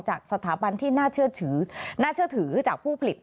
จากสถาบันที่น่าเชื่อถือจากผู้ผลิต